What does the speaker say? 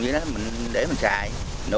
để mình xài